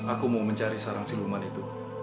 aku mau mencari sarang si luman itu